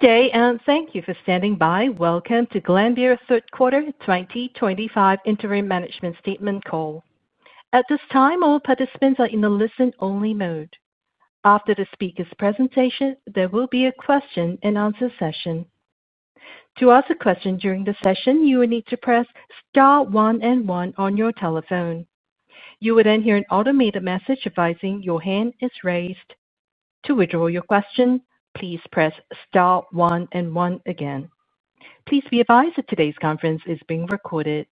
Okay, and thank you for standing by. Welcome to Glanbia Third Quarter 2025 Interim Management Statement Call. At this time, all participants are in the listen-only mode. After the speaker's presentation, there will be a question-and-answer session. To ask a question during the session, you will need to press Star 1 and 1 on your telephone. You will then hear an automated message advising your hand is raised. To withdraw your question, please press Star 1 and 1 again. Please be advised that today's conference is being recorded.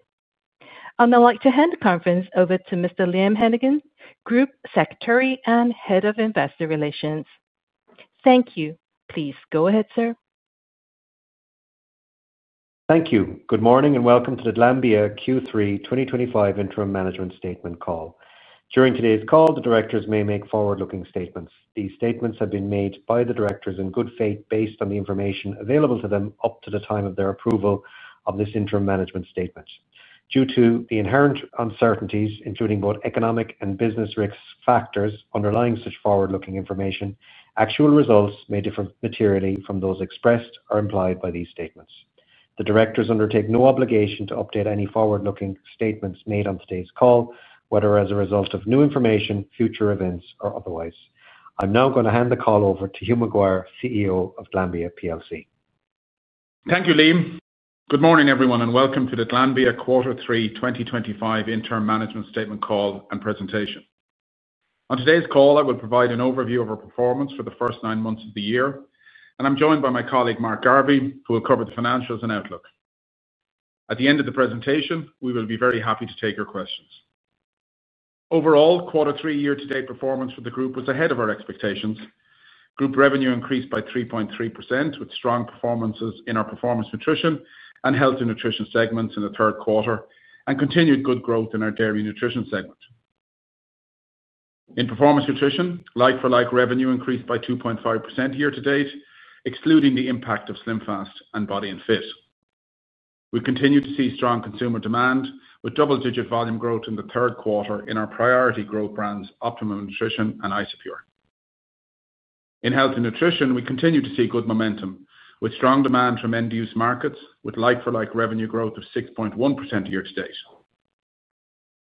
I'd now like to hand the conference over to Mr. Liam Hennigan, Group Secretary and Head of Investor Relations. Thank you. Please go ahead, sir. Thank you. Good morning and welcome to the Glanbia Q3 2025 Interim Management Statement Call. During today's call, the directors may make forward-looking statements. These statements have been made by the directors in good faith based on the information available to them up to the time of their approval of this interim management statement. Due to the inherent uncertainties, including both economic and business risk factors underlying such forward-looking information, actual results may differ materially from those expressed or implied by these statements. The directors undertake no obligation to update any forward-looking statements made on today's call, whether as a result of new information, future events, or otherwise. I'm now going to hand the call over to Hugh McGuire, CEO of Glanbia. Thank you, Liam. Good morning, everyone, and welcome to the Glanbia Quarter 3 2025 Interim Management Statement Call and Presentation. On today's call, I will provide an overview of our performance for the first nine months of the year, and I'm joined by my colleague, Mark Garvey, who will cover the financials and outlook. At the end of the presentation, we will be very happy to take your questions. Overall, Quarter 3 year-to-date performance for the group was ahead of our expectations. Group revenue increased by 3.3%, with strong performances in our performance nutrition and health and nutrition segments in the third quarter, and continued good growth in our dairy nutrition segment. In performance nutrition, like-for-like revenue increased by 2.5% year-to-date, excluding the impact of SlimFast and Body & Fit. We continue to see strong consumer demand, with double-digit volume growth in the third quarter in our priority growth brands, Optimum Nutrition and Isopure. In health and nutrition, we continue to see good momentum, with strong demand from end-use markets, with like-for-like revenue growth of 6.1% year-to-date.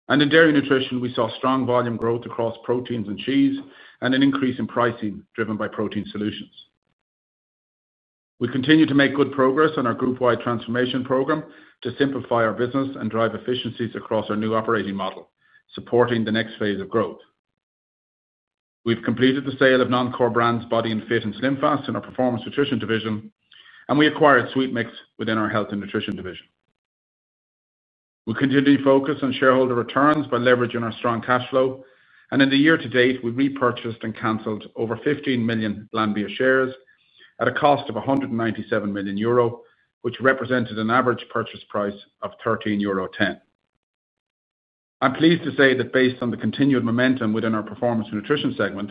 In dairy nutrition, we saw strong volume growth across proteins and cheese, and an increase in pricing driven by protein solutions. We continue to make good progress on our group-wide transformation program to simplify our business and drive efficiencies across our new operating model, supporting the next phase of growth. We have completed the sale of non-core brands Body & Fit and SlimFast in our performance nutrition division, and we acquired SweetMix within our health and nutrition division. We continued to focus on shareholder returns by leveraging our strong cash flow, and in the year-to-date, we repurchased and canceled over 15 million Glanbia shares at a cost of 197 million euro, which represented an average purchase price of 13.10 euro. I'm pleased to say that based on the continued momentum within our performance nutrition segment,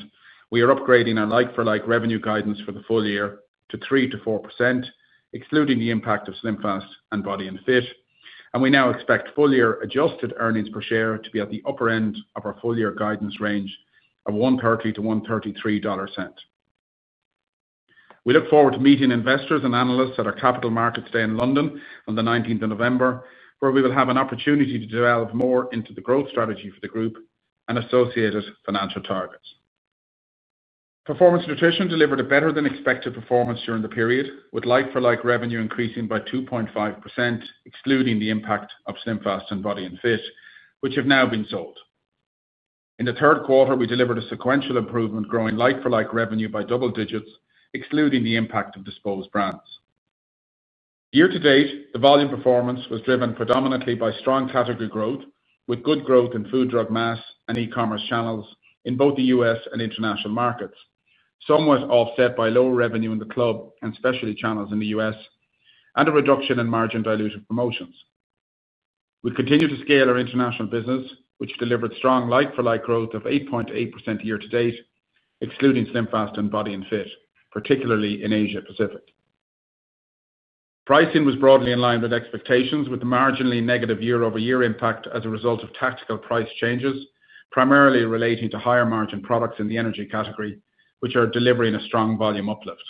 we are upgrading our like-for-like revenue guidance for the full year to 3-4%, excluding the impact of SlimFast and Body & Fit, and we now expect full-year adjusted earnings per share to be at the upper end of our full-year guidance range of $1.30-$1.33. We look forward to meeting investors and analysts at our capital markets day in London on the 19th of November, where we will have an opportunity to delve more into the growth strategy for the group and associated financial targets. Performance nutrition delivered a better-than-expected performance during the period, with like-for-like revenue increasing by 2.5%, excluding the impact of SlimFast and Body & Fit, which have now been sold. In the third quarter, we delivered a sequential improvement, growing like-for-like revenue by double digits, excluding the impact of disposed brands. Year-to-date, the volume performance was driven predominantly by strong category growth, with good growth in food drug mass and e-commerce channels in both the U.S. and international markets, somewhat offset by lower revenue in the club and specialty channels in the U.S., and a reduction in margin dilution promotions. We continue to scale our international business, which delivered strong like-for-like growth of 8.8% year-to-date, excluding SlimFast and Body & Fit, particularly in Asia-Pacific. Pricing was broadly in line with expectations, with the marginally negative year-over-year impact as a result of tactical price changes, primarily relating to higher-margin products in the energy category, which are delivering a strong volume uplift.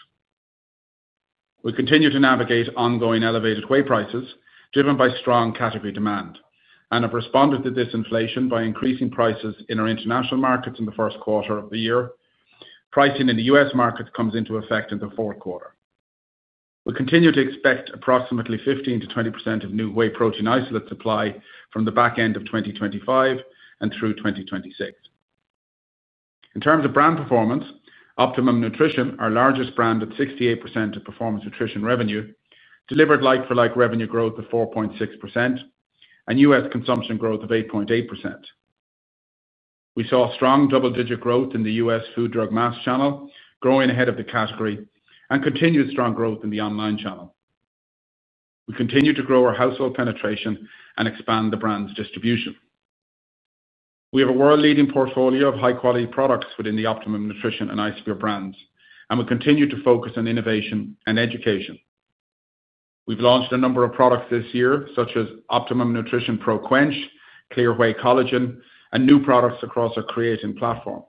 We continue to navigate ongoing elevated whey prices driven by strong category demand and have responded to this inflation by increasing prices in our international markets in the first quarter of the year. Pricing in the U.S. markets comes into effect in the fourth quarter. We continue to expect approximately 15-20% of new whey protein isolate supply from the back end of 2025 and through 2026. In terms of brand performance, Optimum Nutrition, our largest brand at 68% of performance nutrition revenue, delivered like-for-like revenue growth of 4.6% and U.S. consumption growth of 8.8%. We saw strong double-digit growth in the U.S. food drug mass channel, growing ahead of the category, and continued strong growth in the online channel. We continue to grow our household penetration and expand the brand's distribution. We have a world-leading portfolio of high-quality products within the Optimum Nutrition and Isopure brands, and we continue to focus on innovation and education. We've launched a number of products this year, such as Optimum Nutrition Pro Quench, Clear Whey Collagen, and new products across our Creatine platform,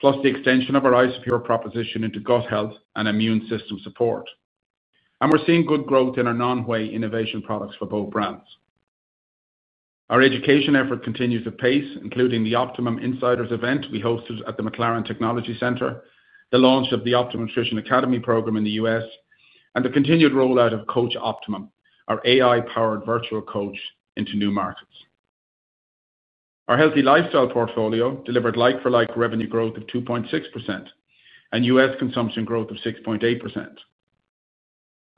plus the extension of our Isopure proposition into gut health and immune system support. We are seeing good growth in our non-whey innovation products for both brands. Our education effort continues at pace, including the Optimum Insiders event we hosted at the McLaren Technology Center, the launch of the Optimum Nutrition Academy program in the U.S., and the continued rollout of Coach Optimum, our AI-powered virtual coach into new markets. Our healthy lifestyle portfolio delivered like-for-like revenue growth of 2.6% and U.S. consumption growth of 6.8%.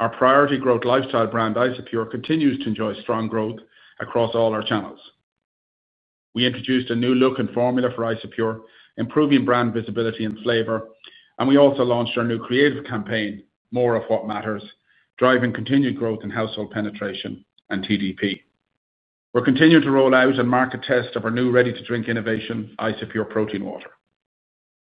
Our priority growth lifestyle brand, Isopure, continues to enjoy strong growth across all our channels. We introduced a new look and formula for Isopure, improving brand visibility and flavor, and we also launched our new creative campaign, More of What Matters, driving continued growth in household penetration and TDP. We are continuing to roll out and market test our new ready-to-drink innovation, Isopure Protein Water.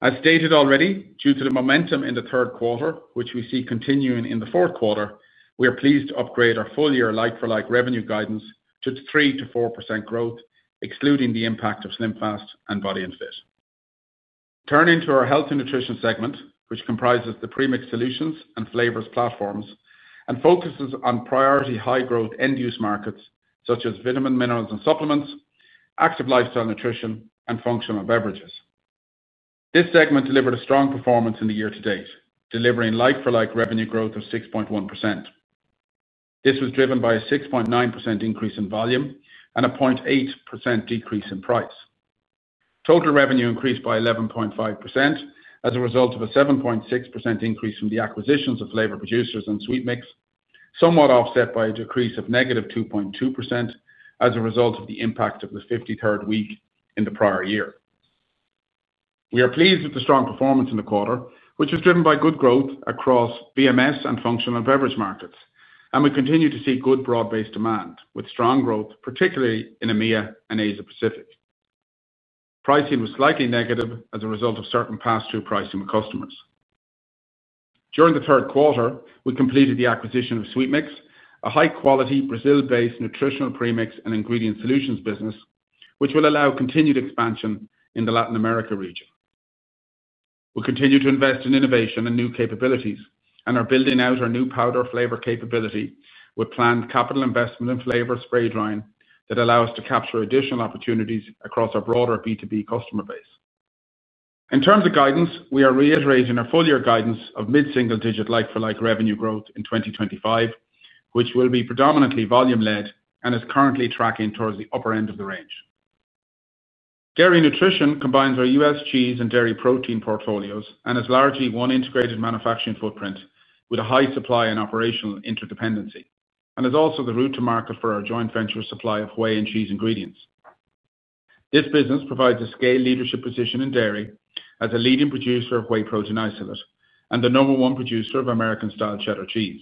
As stated already, due to the momentum in the third quarter, which we see continuing in the fourth quarter, we are pleased to upgrade our full-year like-for-like revenue guidance to 3-4% growth, excluding the impact of SlimFast and Body & Fit. Turning to our health and nutrition segment, which comprises the premixed solutions and flavors platforms and focuses on priority high-growth end-use markets such as vitamins, minerals, and supplements, active lifestyle nutrition, and functional beverages. This segment delivered a strong performance in the year-to-date, delivering like-for-like revenue growth of 6.1%. This was driven by a 6.9% increase in volume and a 0.8% decrease in price. Total revenue increased by 11.5% as a result of a 7.6% increase from the acquisitions of flavor producers and SweetMix, somewhat offset by a decrease of negative 2.2% as a result of the impact of the 53rd week in the prior year. We are pleased with the strong performance in the quarter, which was driven by good growth across BMS and functional beverage markets, and we continue to see good broad-based demand with strong growth, particularly in EMEA and Asia-Pacific. Pricing was slightly negative as a result of certain pass-through pricing with customers. During the third quarter, we completed the acquisition of SweetMix, a high-quality, Brazil-based nutritional premix and ingredient solutions business, which will allow continued expansion in the Latin America region. We continue to invest in innovation and new capabilities and are building out our new powder flavor capability with planned capital investment in flavor spray drying that allows us to capture additional opportunities across our broader B2B customer base. In terms of guidance, we are reiterating our full-year guidance of mid-single-digit like-for-like revenue growth in 2025, which will be predominantly volume-led and is currently tracking towards the upper end of the range. Dairy Nutrition combines our U.S. cheese and dairy protein portfolios and is largely one integrated manufacturing footprint with a high supply and operational interdependency, and is also the route to market for our joint venture supply of whey and cheese ingredients. This business provides a scaled leadership position in dairy as a leading producer of whey protein isolate and the number one producer of American-style cheddar cheese.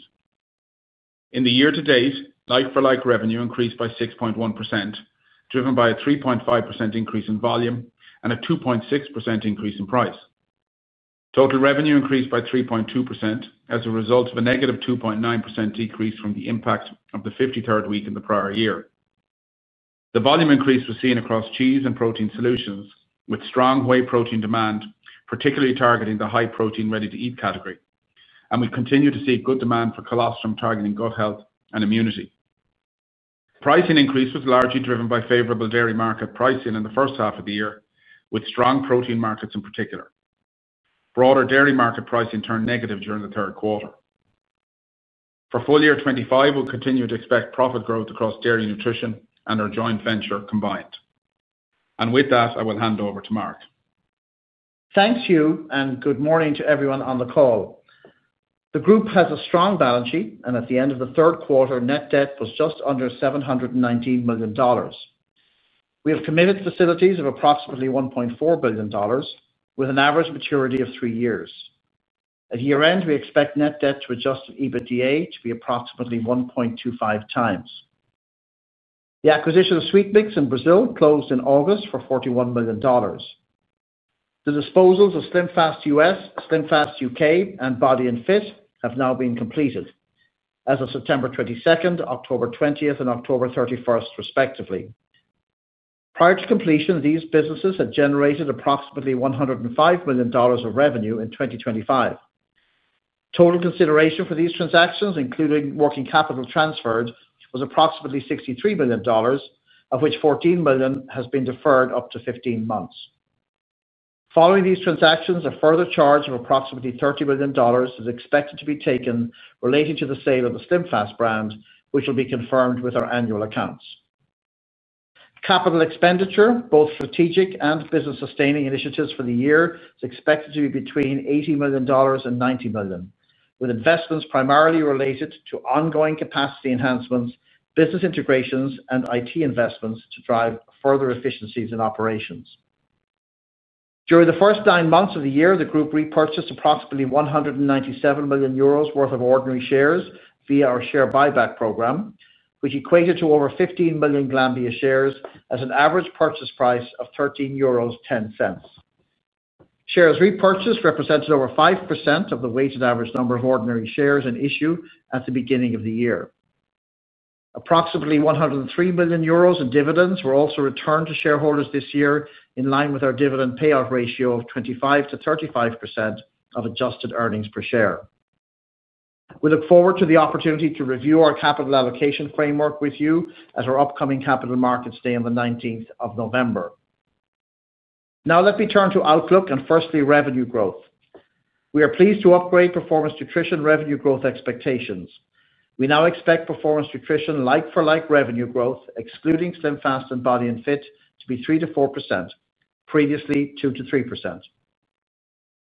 In the year-to-date, like-for-like revenue increased by 6.1%, driven by a 3.5% increase in volume and a 2.6% increase in price. Total revenue increased by 3.2% as a result of a negative 2.9% decrease from the impact of the 53rd week in the prior year. The volume increase was seen across cheese and protein solutions with strong whey protein demand, particularly targeting the high-protein ready-to-eat category, and we continue to see good demand for colostrum targeting gut health and immunity. Pricing increase was largely driven by favorable dairy market pricing in the first half of the year, with strong protein markets in particular. Broader dairy market pricing turned negative during the third quarter. For full year 2025, we will continue to expect profit growth across dairy nutrition and our joint venture combined. With that, I will hand over to Mark. Thank you, and good morning to everyone on the call. The group has a strong balance sheet, and at the end of the third quarter, net debt was just under $719 million. We have committed facilities of approximately $1.4 billion, with an average maturity of three years. At year-end, we expect net debt to EBITDA to be approximately 1.25 times. The acquisition of SweetMix in Brazil closed in August for $41 million. The disposals of SlimFast US, SlimFast UK, and Body & Fit have now been completed as of September 22nd, October 20th, and October 31st, respectively. Prior to completion, these businesses had generated approximately $105 million of revenue in 2025. Total consideration for these transactions, including working capital transferred, was approximately $63 million, of which $14 million has been deferred up to 15 months. Following these transactions, a further charge of approximately $30 million is expected to be taken relating to the sale of the SlimFast brand, which will be confirmed with our annual accounts. Capital expenditure, both strategic and business-sustaining initiatives for the year, is expected to be between $80 million and $90 million, with investments primarily related to ongoing capacity enhancements, business integrations, and IT investments to drive further efficiencies in operations. During the first nine months of the year, the group repurchased approximately 197 million euros worth of ordinary shares via our share buyback program, which equated to over 15 million Glanbia shares at an average purchase price of 13.10 euros. Shares repurchased represented over 5% of the weighted average number of ordinary shares in issue at the beginning of the year. Approximately 103 million euros in dividends were also returned to shareholders this year, in line with our dividend payout ratio of 25-35% of adjusted earnings per share. We look forward to the opportunity to review our capital allocation framework with you at our upcoming capital markets day on the 19th of November. Now, let me turn to outlook and firstly revenue growth. We are pleased to upgrade performance nutrition revenue growth expectations. We now expect performance nutrition like-for-like revenue growth, excluding SlimFast and Body & Fit, to be 3-4%, previously 2-3%.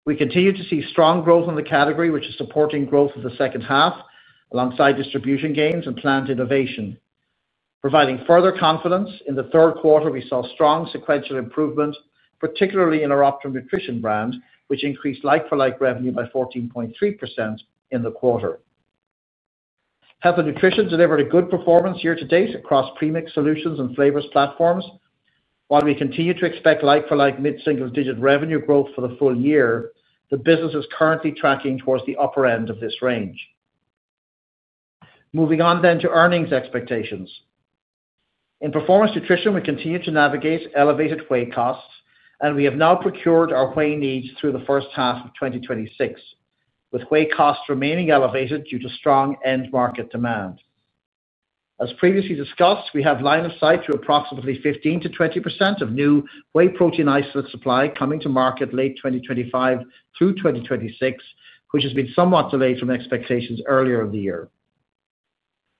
We continue to see strong growth in the category, which is supporting growth of the second half alongside distribution gains and planned innovation, providing further confidence. In the third quarter, we saw strong sequential improvement, particularly in our Optimum Nutrition brand, which increased like-for-like revenue by 14.3% in the quarter. Health and nutrition delivered a good performance year-to-date across premixed solutions and flavors platforms. While we continue to expect like-for-like mid-single-digit revenue growth for the full year, the business is currently tracking towards the upper end of this range. Moving on then to earnings expectations. In performance nutrition, we continue to navigate elevated whey costs, and we have now procured our whey needs through the first half of 2026, with whey costs remaining elevated due to strong end-market demand. As previously discussed, we have line of sight to approximately 15-20% of new whey protein isolate supply coming to market late 2025 through 2026, which has been somewhat delayed from expectations earlier in the year.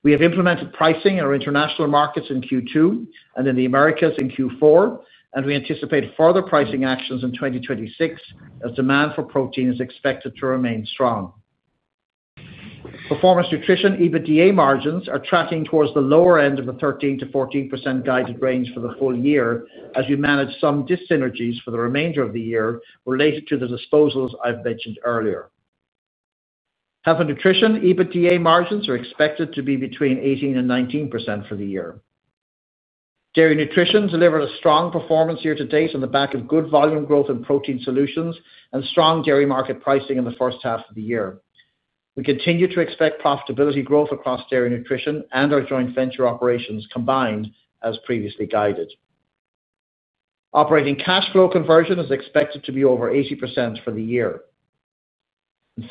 We have implemented pricing in our international markets in Q2 and in the Americas in Q4, and we anticipate further pricing actions in 2026 as demand for protein is expected to remain strong. Performance nutrition EBITDA margins are tracking towards the lower end of the 13-14% guided range for the full year as we manage some dissynergies for the remainder of the year related to the disposals I've mentioned earlier. Health and nutrition EBITDA margins are expected to be between 18-19% for the year. Dairy Nutrition delivered a strong performance year-to-date on the back of good volume growth in protein solutions and strong dairy market pricing in the first half of the year. We continue to expect profitability growth across Dairy Nutrition and our joint venture operations combined, as previously guided. Operating cash flow conversion is expected to be over 80% for the year. We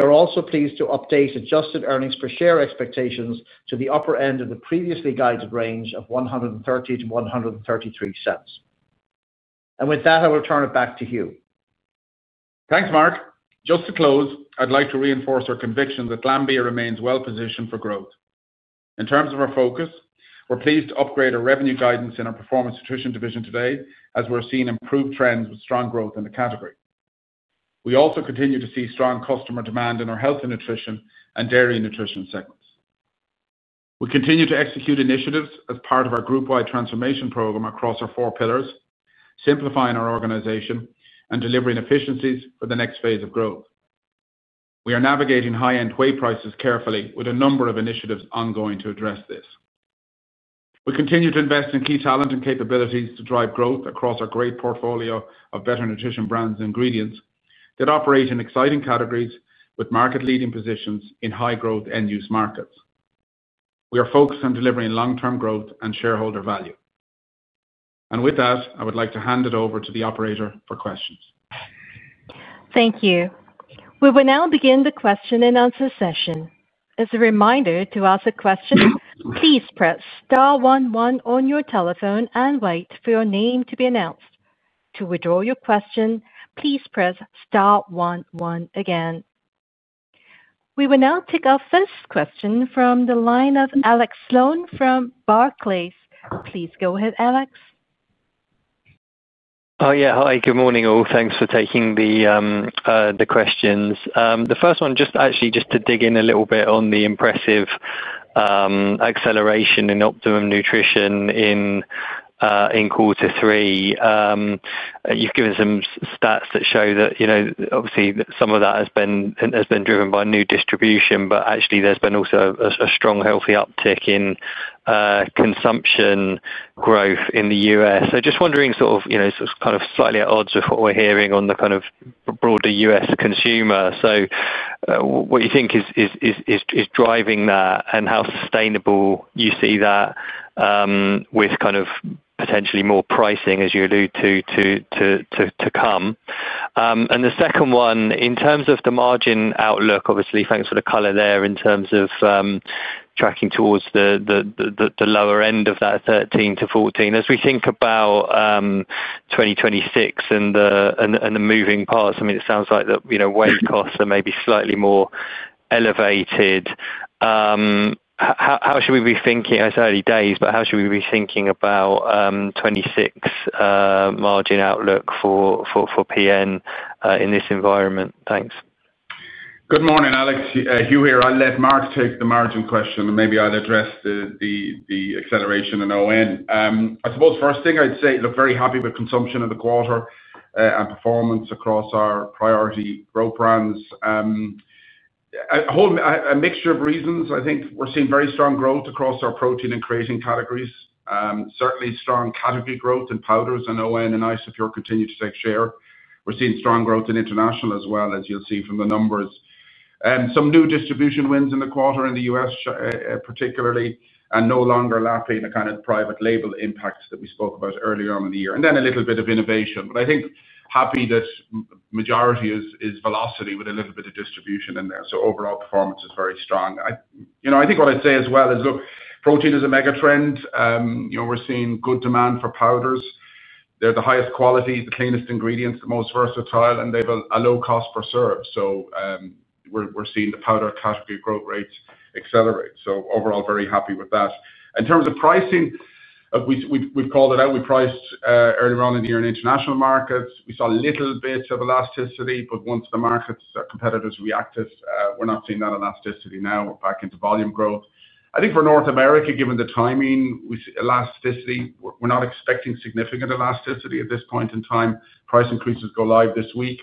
are also pleased to update adjusted earnings per share expectations to the upper end of the previously guided range of $1.30-$1.33. With that, I will turn it back to Hugh. Thanks, Mark. Just to close, I'd like to reinforce our conviction that Glanbia remains well-positioned for growth. In terms of our focus, we're pleased to upgrade our revenue guidance in our performance nutrition division today as we're seeing improved trends with strong growth in the category. We also continue to see strong customer demand in our health and nutrition and dairy nutrition segments. We continue to execute initiatives as part of our group-wide transformation program across our four pillars, simplifying our organization and delivering efficiencies for the next phase of growth. We are navigating high-end whey prices carefully with a number of initiatives ongoing to address this. We continue to invest in key talent and capabilities to drive growth across our great portfolio of better nutrition brands and ingredients that operate in exciting categories with market-leading positions in high-growth end-use markets. We are focused on delivering long-term growth and shareholder value. With that, I would like to hand it over to the operator for questions. Thank you. We will now begin the question and answer session. As a reminder, to ask a question, please press star 11 on your telephone and wait for your name to be announced. To withdraw your question, please press star 11 again. We will now take our first question from the line of Alex Sloan [Analyst] (Barclays). Please go ahead, Alex. Oh, yeah. Hi. Good morning, all. Thanks for taking the questions. The first one, just actually just to dig in a little bit on the impressive acceleration in Optimum Nutrition in quarter three. You've given some stats that show that, obviously, some of that has been driven by new distribution, but actually, there's been also a strong healthy uptick in consumption growth in the U.S. Just wondering, sort of, kind of slightly at odds with what we're hearing on the kind of broader U.S. consumer. What you think is driving that and how sustainable you see that, with kind of potentially more pricing, as you allude to, to come. The second one, in terms of the margin outlook, obviously, thanks for the color there in terms of tracking towards the lower end of that 13-14. As we think about. 2026 and the moving parts, I mean, it sounds like the whey costs are maybe slightly more elevated. How should we be thinking? It's early days, but how should we be thinking about 2026. Margin outlook for PN in this environment? Thanks. Good morning, Alex. Hugh here. I'll let Mark take the margin question, and maybe I'll address the acceleration and ON. I suppose first thing I'd say, look, very happy with consumption of the quarter and performance across our priority growth brands. A mixture of reasons. I think we're seeing very strong growth across our protein and creatine categories. Certainly, strong category growth in powders and ON and Isopure continue to take share. We're seeing strong growth in international as well, as you'll see from the numbers. Some new distribution wins in the quarter in the US, particularly, and no longer lapping the kind of private label impacts that we spoke about earlier on in the year. A little bit of innovation. I think happy that majority is velocity with a little bit of distribution in there. Overall performance is very strong. I think what I'd say as well is, look, protein is a mega trend. We're seeing good demand for powders. They're the highest quality, the cleanest ingredients, the most versatile, and they have a low cost per serve. We're seeing the powder category growth rates accelerate. Overall, very happy with that. In terms of pricing, we've called it out. We priced early on in the year in international markets. We saw a little bit of elasticity, but once the markets or competitors reacted, we're not seeing that elasticity now. We're back into volume growth. I think for North America, given the timing, we see elasticity. We're not expecting significant elasticity at this point in time. Price increases go live this week.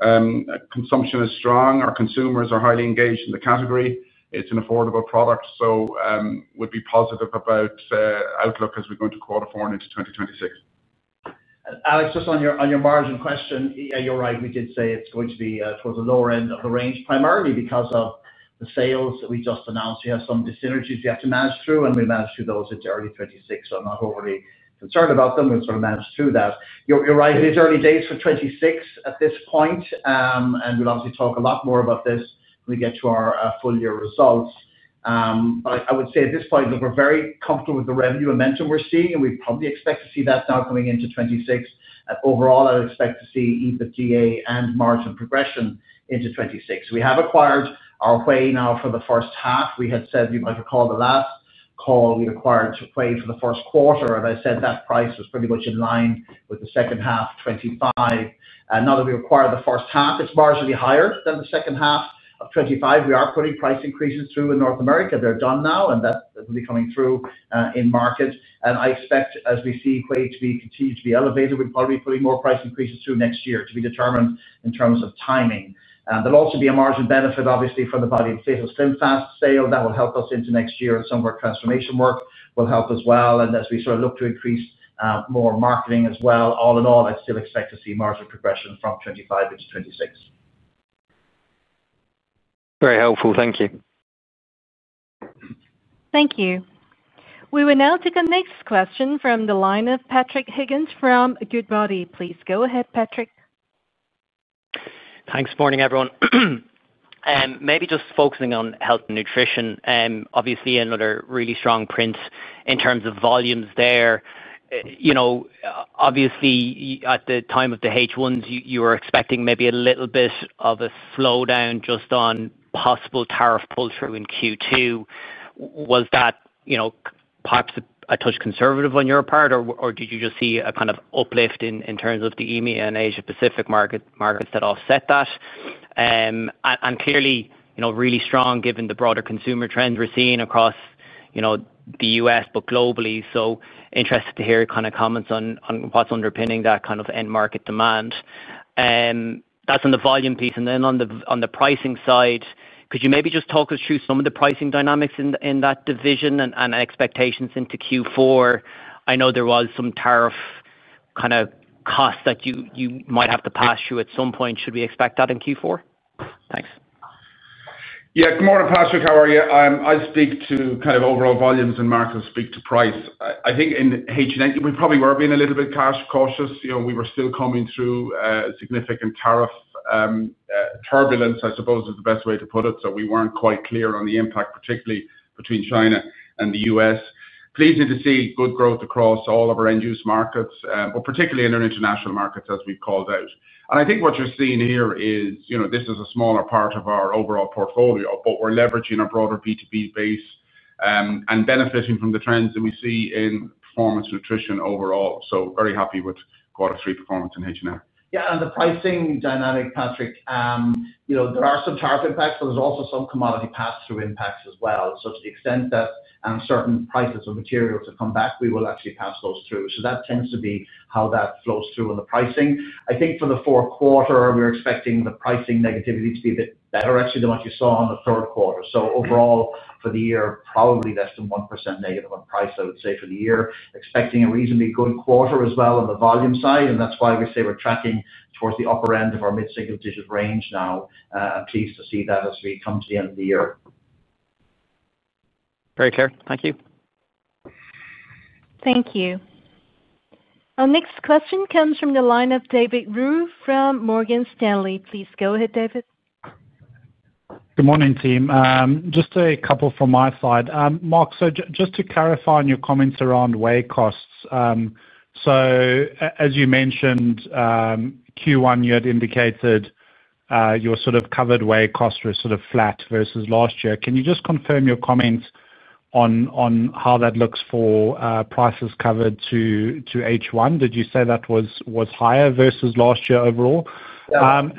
Consumption is strong. Our consumers are highly engaged in the category. It's an affordable product. We'd be positive about it. Outlook as we go into quarter four into 2026. Alex, just on your margin question. You're right. We did say it's going to be towards the lower end of the range, primarily because of the sales that we just announced. We have some dissynergies we have to manage through, and we managed through those into early 2026. I am not overly concerned about them. We've sort of managed through that. You're right. It is early days for 2026 at this point. We will obviously talk a lot more about this when we get to our full year results. I would say at this point, look, we're very comfortable with the revenue momentum we're seeing, and we probably expect to see that now coming into 2026. Overall, I would expect to see EBITDA and margin progression into 2026. We have acquired our way now for the first half. We had said, you might recall the last call, we acquired whey for the first quarter. I said that price was pretty much in line with the second half of 2025. Now that we acquired the first half, it is marginally higher than the second half of 2025. We are putting price increases through in North America. They are done now, and that will be coming through in market. I expect, as we see whey continue to be elevated, we will probably be putting more price increases through next year to be determined in terms of timing. There will also be a margin benefit, obviously, from the Body & Fit or SlimFast sale. That will help us into next year, and some of our transformation work will help as well. As we sort of look to increase more marketing as well, all in all, I'd still expect to see margin progression from 2025 into 2026. Very helpful. Thank you. Thank you. We will now take our next question from the line of Patrick Higgins from Goodbody. Please go ahead, Patrick. Thanks. Morning, everyone. Maybe just focusing on health and nutrition. Obviously, another really strong print in terms of volumes there. Obviously, at the time of the H1s, you were expecting maybe a little bit of a slowdown just on possible tariff pull-through in Q2. Was that perhaps a touch conservative on your part, or did you just see a kind of uplift in terms of the EMEA and Asia-Pacific markets that offset that? Clearly, really strong given the broader consumer trends we're seeing across the U.S., but globally. Interested to hear kind of comments on what's underpinning that kind of end-market demand. That's on the volume piece. On the pricing side, could you maybe just talk us through some of the pricing dynamics in that division and expectations into Q4? I know there was some tariff kind of cost that you might have to pass through at some point. Should we expect that in Q4? Thanks. Yeah. Good morning, Patrick. How are you? I speak to kind of overall volumes and markets, speak to price. I think in H&N, we probably were being a little bit cautious. We were still coming through significant tariff. Turbulence, I suppose, is the best way to put it. We weren't quite clear on the impact, particularly between China and the U.S. Pleased to see good growth across all of our end-use markets, particularly in our international markets, as we've called out. I think what you're seeing here is this is a smaller part of our overall portfolio, but we're leveraging our broader B2B base. Benefiting from the trends that we see in performance nutrition overall. Very happy with quarter three performance in H&N. Yeah. The pricing dynamic, Patrick. There are some tariff impacts, but there are also some commodity pass-through impacts as well. To the extent that certain prices of materials have come back, we will actually pass those through. That tends to be how that flows through in the pricing. I think for the fourth quarter, we are expecting the pricing negativity to be a bit better, actually, than what you saw in the third quarter. Overall, for the year, probably less than 1% negative on price, I would say, for the year. Expecting a reasonably good quarter as well on the volume side. That is why we say we are tracking towards the upper end of our mid-single-digit range now. I am pleased to see that as we come to the end of the year. Very clear. Thank you. Thank you. Our next question comes from the line of David Roux from Morgan Stanley. Please go ahead, David. Good morning, team. Just a couple from my side. Mark, so just to clarify on your comments around whey costs. As you mentioned, Q1, you had indicated your sort of covered whey costs were sort of flat versus last year. Can you just confirm your comments on how that looks for prices covered to H1? Did you say that was higher versus last year overall? Yeah.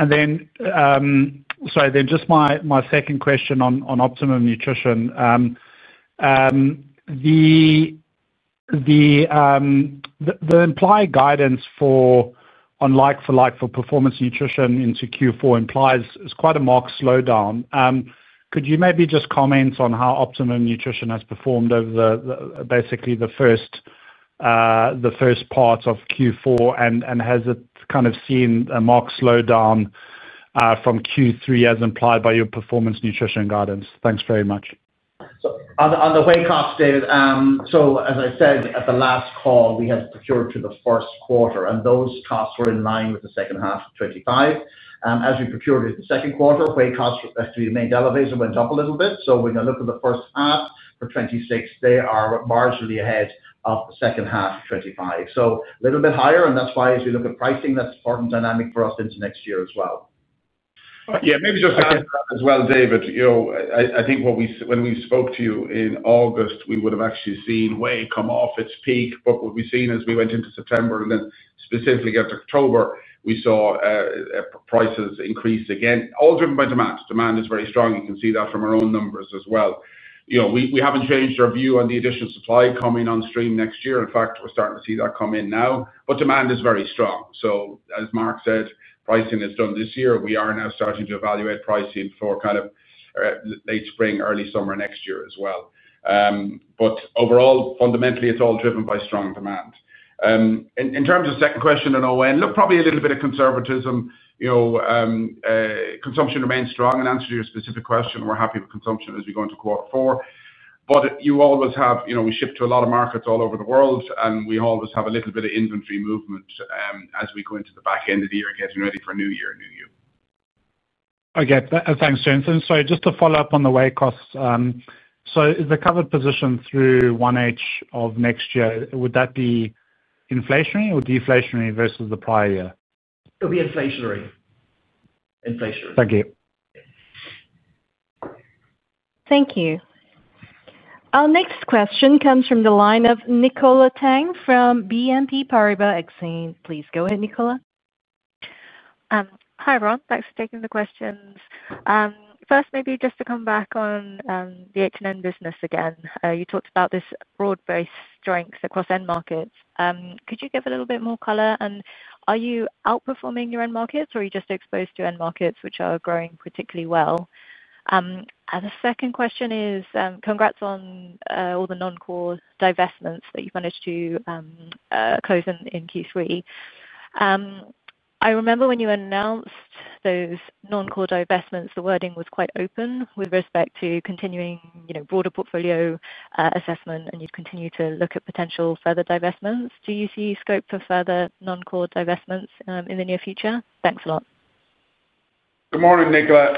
Sorry, then just my second question on Optimum Nutrition. The implied guidance for performance nutrition into Q4 implies quite a marked slowdown. Could you maybe just comment on how Optimum Nutrition has performed over basically the first part of Q4, and has it kind of seen a marked slowdown from Q3 as implied by your performance nutrition guidance? Thanks very much. On the whey costs, David, as I said at the last call, we had procured through the first quarter, and those costs were in line with the second half of 2025. As we procured through the second quarter, whey costs, after we made the elevator, went up a little bit. When you look at the first half for 2026, they are marginally ahead of the second half of 2025. A little bit higher, and that is why, as we look at pricing, that is part of the dynamic for us into next year as well. Yeah. Maybe just to add that as well, David. I think when we spoke to you in August, we would have actually seen whey come off its peak. What we've seen as we went into September, and then specifically at October, we saw prices increase again. All driven by demand. Demand is very strong. You can see that from our own numbers as well. We haven't changed our view on the additional supply coming on stream next year. In fact, we're starting to see that come in now. Demand is very strong. As Mark said, pricing is done this year. We are now starting to evaluate pricing for kind of late spring, early summer next year as well. Overall, fundamentally, it's all driven by strong demand. In terms of second question and ON, look, probably a little bit of conservatism. Consumption remains strong. In answer to your specific question, we're happy with consumption as we go into quarter four. You always have, we ship to a lot of markets all over the world, and we always have a little bit of inventory movement as we go into the back end of the year getting ready for a new year and new year. Okay. Thanks, Jonathan. Just to follow up on the whey costs. Is the covered position through 1H of next year, would that be inflationary or deflationary versus the prior year? It'll be inflationary. Thank you. Thank you. Our next question comes from the line of Nicola Tang from BNP Paribas Exane. Please go ahead, Nicola. Hi, everyone. Thanks for taking the questions. First, maybe just to come back on the H&N business again. You talked about this broad-based strength across end markets. Could you give a little bit more color? Are you outperforming your end markets, or are you just exposed to end markets which are growing particularly well? The second question is, congrats on all the non-core divestments that you've managed to close in Q3. I remember when you announced those non-core divestments, the wording was quite open with respect to continuing broader portfolio assessment, and you'd continue to look at potential further divestments. Do you see scope for further non-core divestments in the near future? Thanks a lot. Good morning, Nicola.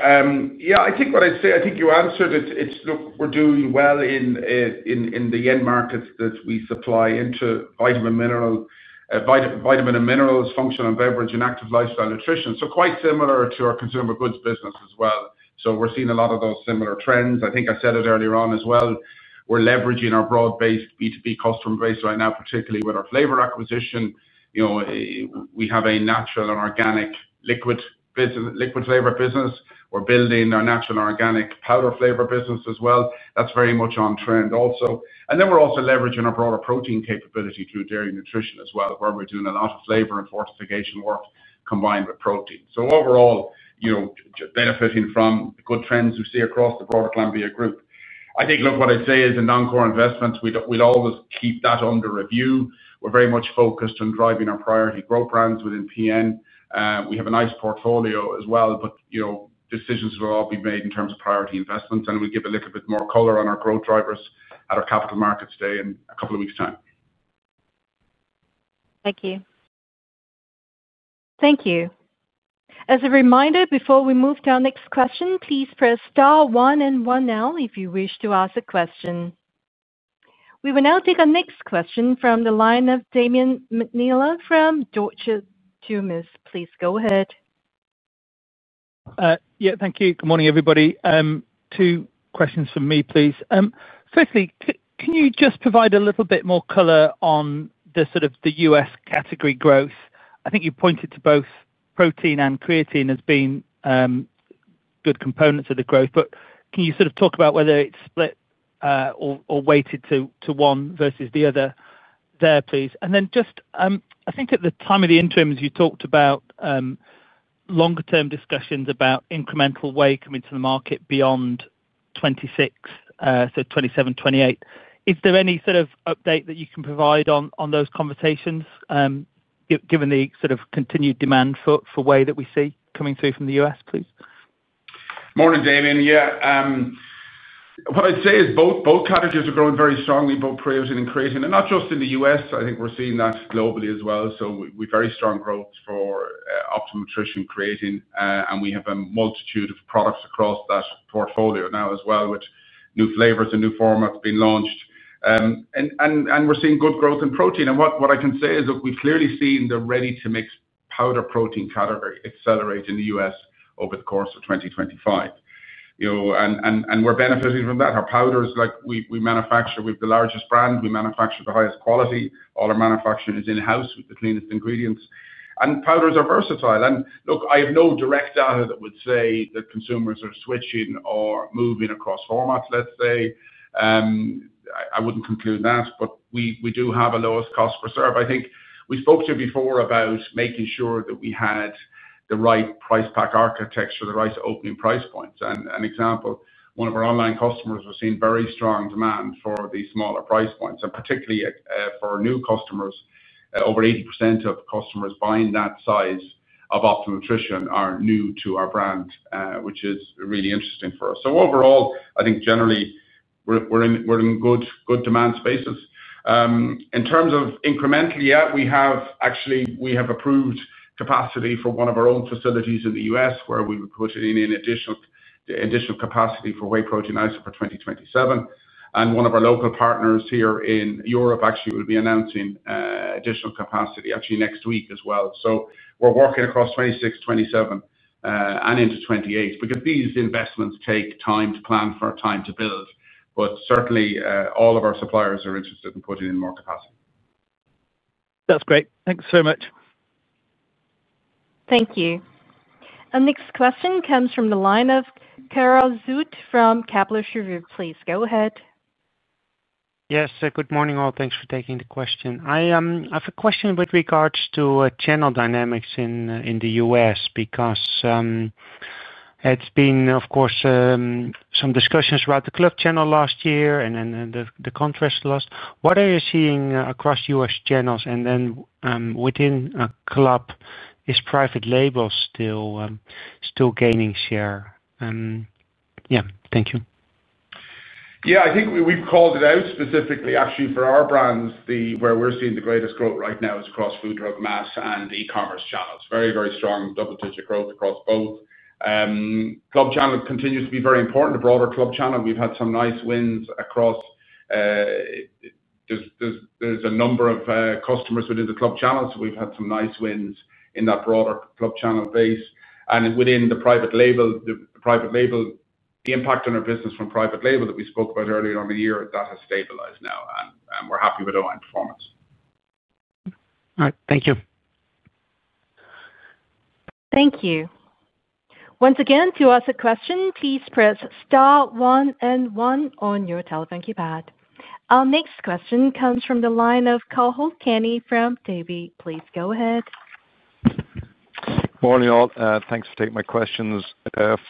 Yeah, I think what I'd say, I think you answered it. It's, look, we're doing well in the end markets that we supply into, vitamin and minerals, functional leverage, and active lifestyle nutrition. Quite similar to our consumer goods business as well. We're seeing a lot of those similar trends. I think I said it earlier on as well. We're leveraging our broad-based B2B customer base right now, particularly with our flavor acquisition. We have a natural and organic liquid flavor business. We're building our natural and organic powder flavor business as well. That's very much on trend also. We're also leveraging our broader protein capability through Dairy Nutrition as well, where we're doing a lot of flavor and fortification work combined with protein. Overall, benefiting from good trends we see across the broader Glanbia Group. I think, look, what I'd say is in non-core investments, we'd always keep that under review. We're very much focused on driving our priority growth brands within PN. We have a nice portfolio as well, but decisions will all be made in terms of priority investments. We'll give a little bit more color on our growth drivers at our capital markets day in a couple of weeks' time. Thank you. Thank you. As a reminder, before we move to our next question, please press star one and one now if you wish to ask a question. We will now take our next question from the line of Damien McNeill from Deutsche Bank. Please go ahead. Yeah. Thank you. Good morning, everybody. Two questions for me, please. Firstly, can you just provide a little bit more color on the sort of US category growth? I think you pointed to both protein and creatine as being good components of the growth, but can you sort of talk about whether it's split or weighted to one versus the other there, please? Just, I think at the time of the interim, as you talked about longer-term discussions about incremental whey coming to the market beyond 2026, so 2027, 2028, is there any sort of update that you can provide on those conversations, given the sort of continued demand for whey that we see coming through from the US, please? Morning, Damien. Yeah. What I'd say is both categories are growing very strongly, both protein and creatine. And not just in the U.S. I think we're seeing that globally as well. We have very strong growth for Optimum Nutrition creatine. And we have a multitude of products across that portfolio now as well, with new flavors and new formats being launched. We're seeing good growth in protein. What I can say is, look, we've clearly seen the ready-to-mix powder protein category accelerate in the U.S. over the course of 2025. We're benefiting from that. Our powders, like we manufacture, we have the largest brand. We manufacture the highest quality. All our manufacturing is in-house with the cleanest ingredients. Powders are versatile. Look, I have no direct data that would say that consumers are switching or moving across formats, let's say. I wouldn't conclude that, but we do have a low cost per serve. I think we spoke to you before about making sure that we had the right price pack architecture, the right opening price points. An example, one of our online customers was seeing very strong demand for these smaller price points, and particularly for new customers. Over 80% of customers buying that size of Optimum Nutrition are new to our brand, which is really interesting for us. Overall, I think generally, we're in good demand spaces. In terms of incrementally, yeah, we have actually approved capacity for one of our own facilities in the U.S., where we would put in additional capacity for whey protein isolate for 2027. One of our local partners here in Europe actually will be announcing additional capacity actually next week as well. We're working across 2026-2027. These investments take time to plan for, time to build. Certainly, all of our suppliers are interested in putting in more capacity. That's great. Thanks so much. Thank you. Our next question comes from the line of Karel Zoete from Kepler Cheuvreux. Please go ahead. Yes. Good morning, all. Thanks for taking the question. I have a question with regards to channel dynamics in the U.S. because it's been, of course, some discussions about the club channel last year and then the contrast loss. What are you seeing across U.S. channels? And then within a club, is private label still gaining share? Yeah. Thank you. Yeah. I think we've called it out specifically, actually, for our brands. Where we're seeing the greatest growth right now is across food, drug, mass, and e-commerce channels. Very, very strong double-digit growth across both. Club channel continues to be very important, a broader club channel. We've had some nice wins across. There's a number of customers within the club channels. We've had some nice wins in that broader club channel base. Within the private label, the impact on our business from private label that we spoke about earlier on in the year, that has stabilized now. We're happy with our own performance. All right. Thank you. Thank you. Once again, to ask a question, please press star one and one on your telephone keypad. Our next question comes from the line of Cathal Kenny from Davy. Please go ahead. Morning, all. Thanks for taking my questions.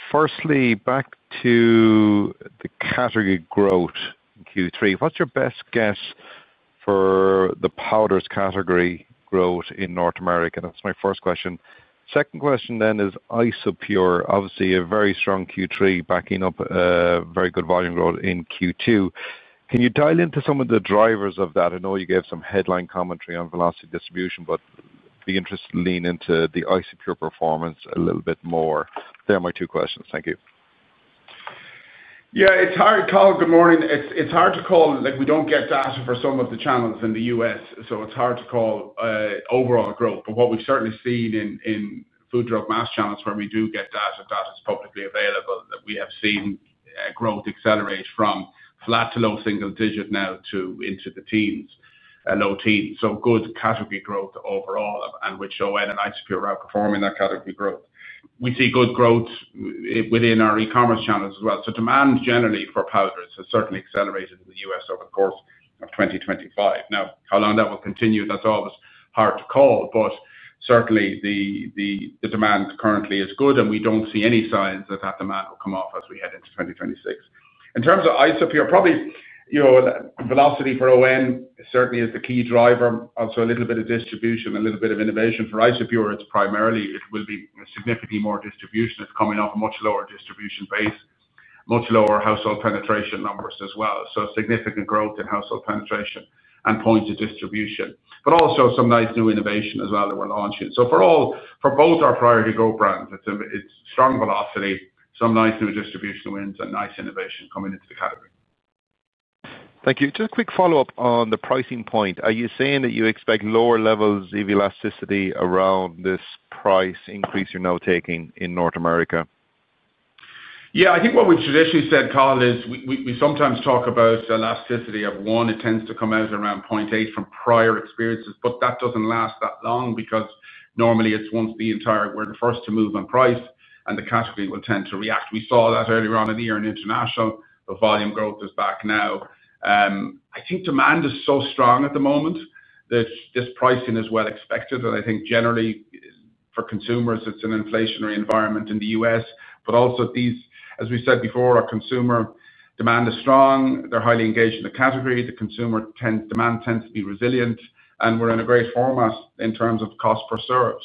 Firstly, back to the category growth in Q3. What's your best guess for the powders category growth in North America? That's my first question. Second question then is Isopure, obviously a very strong Q3, backing up very good volume growth in Q2. Can you dial into some of the drivers of that? I know you gave some headline commentary on velocity distribution, but be interested to lean into the Isopure performance a little bit more. They're my two questions. Thank you. Yeah. It's hard to call. Good morning. It's hard to call. We don't get data for some of the channels in the U.S., so it's hard to call. Overall growth. What we've certainly seen in food, drug, mass channels where we do get data, data is publicly available, that we have seen growth accelerate from flat to low single digit now to into the teens, low teens. Good category growth overall, and which ON and Isopure are outperforming that category growth. We see good growth within our e-commerce channels as well. Demand generally for powders has certainly accelerated in the U.S. over the course of 2025. Now, how long that will continue, that's always hard to call, but certainly the demand currently is good, and we don't see any signs that that demand will come off as we head into 2026. In terms of Isopure, probably. Velocity for ON certainly is the key driver. Also, a little bit of distribution, a little bit of innovation. For Isopure, it's primarily it will be significantly more distribution. It's coming off a much lower distribution base, much lower household penetration numbers as well. Significant growth in household penetration and points of distribution. Also some nice new innovation as well that we're launching. For both our priority growth brands, it's strong velocity, some nice new distribution wins, and nice innovation coming into the category. Thank you. Just a quick follow-up on the pricing point. Are you saying that you expect lower levels of elasticity around this price increase you're now taking in North America? Yeah. I think what we traditionally said, Carl, is we sometimes talk about elasticity of one. It tends to come out around 0.8 from prior experiences, but that does not last that long because normally it is once the entire we are the first to move on price, and the category will tend to react. We saw that earlier on in the year in international. The volume growth is back now. I think demand is so strong at the moment that this pricing is well expected. I think generally for consumers, it is an inflationary environment in the U.S. Also, as we said before, our consumer demand is strong. They are highly engaged in the category. The consumer demand tends to be resilient, and we are in a great format in terms of cost per serve.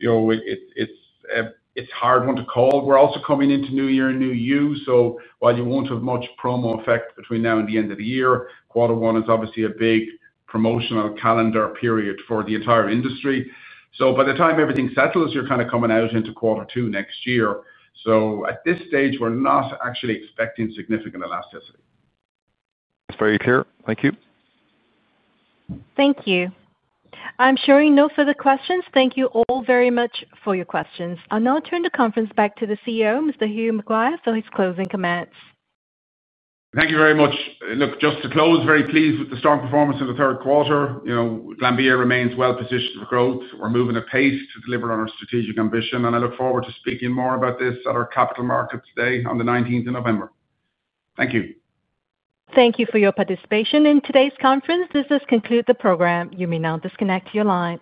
It is a hard one to call. We are also coming into new year and new year. While you won't have much promo effect between now and the end of the year, quarter one is obviously a big promotional calendar period for the entire industry. By the time everything settles, you're kind of coming out into quarter two next year. At this stage, we're not actually expecting significant elasticity. That's very clear. Thank you. Thank you. I'm sure we know for the questions. Thank you all very much for your questions. I'll now turn the conference back to the CEO, Mr. Hugh McGuire, for his closing comments. Thank you very much. Look, just to close, very pleased with the strong performance in the third quarter. Glanbia remains well positioned for growth. We are moving at pace to deliver on our strategic ambition. I look forward to speaking more about this at our capital markets day on the 19th of November. Thank you. Thank you for your participation in today's conference. This does conclude the program. You may now disconnect your lines.